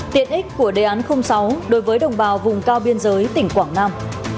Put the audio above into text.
tiện ích của đề án sáu đối với đồng bào vùng cao biên giới tỉnh quảng nam